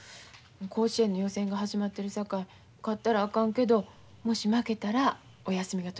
甲子園の予選が始まってるさかい勝ったらあかんけどもし負けたらお休みが取れるさかい。